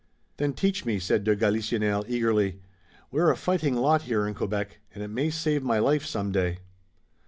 "Then teach me," said de Galisonnière eagerly. "We're a fighting lot here in Quebec, and it may save my life some day."